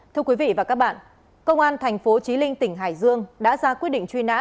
thưa quý vị và các bạn công an thành phố trí linh tỉnh hải dương đã ra quyết định truy nã